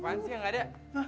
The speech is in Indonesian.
apaan sih yang gaada